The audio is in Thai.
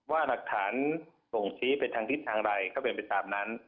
ว่าหักถานส่งชี้เป็นทางทิศทางไหร่ก็เป็นไปตามนั้น